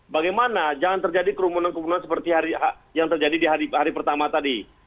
bagaimana jangan terjadi kerumunan kerumunan seperti yang terjadi di hari pertama tadi